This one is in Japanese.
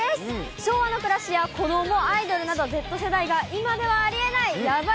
昭和の暮らしや子ども、アイドルなど、今ではありえないやばい